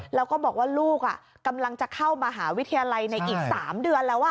แล้วก็บอกว่าลูกกำลังจะเข้ามหาวิทยาลัยในอีก๓เดือนแล้ว